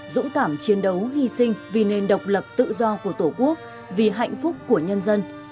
dũng cảm chiến đấu hy sinh vì nền độc lập tự do của tổ quốc vì hạnh phúc của nhân dân